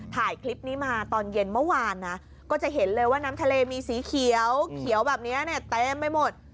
ถ่ายคลิปนี้มาตอนเย็นเมื่อวานนะก็จะเห็นเลยว่าน้ำทะเลมีสีเขียวแบบนี้เนี่ยเต็มไปหมด